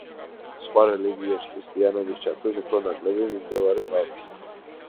სხვა რელიგიებს, ქრისტიანობის ჩათვლით, უფრო ნაკლები მიმდევარი ყავთ.